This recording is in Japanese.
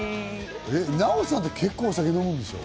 奈緒さんって結構お酒飲むでしょ？